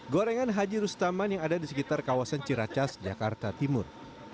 gorengan haji rustaman yang ada di sekitar kawasan ciracas jakarta timur